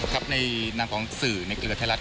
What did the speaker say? ครับในนามของสื่อในเครือไทยรัฐ